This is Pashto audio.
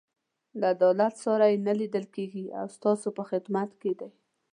د عدالت ساری یې نه لیدل کېږي او ستاسو په خدمت کې دی.